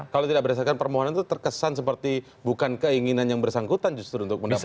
kalau tidak berdasarkan permohonan itu terkesan seperti bukan keinginan yang bersangkutan justru untuk mendapatkan